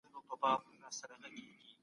لوستې مور د ماشومانو د ؛خوب ارامتيا ساتي.